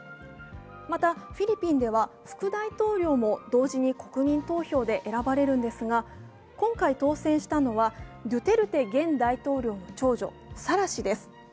また、フィリピンでは副大統領も同時に国民投票で選ばれるのですが今回当選したのは、ドゥテルテ現大統領の長女・サラ氏です。